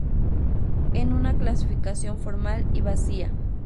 en una clasificación formal y vacía